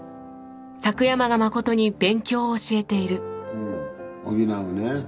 うん「補う」ね。